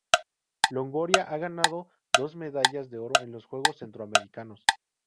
Longoria ha ganado dos medallas de oro en los Juegos Centroamericanos.